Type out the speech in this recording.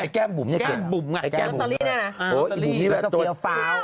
แก้มบุ๋มนี่เก่ง